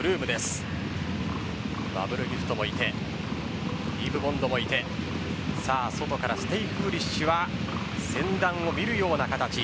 バブルギフトもいてディープボンドもいて外からステイフーリッシュは先団を見るような形。